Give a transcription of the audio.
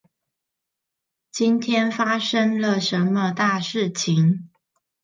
今天發生了什麼大事情